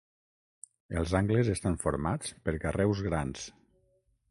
Els angles estan formats per carreus grans.